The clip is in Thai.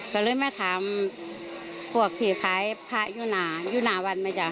ก็เลยมาถามพวกที่ขายพระยุนายุนาวันไหมจ๊ะ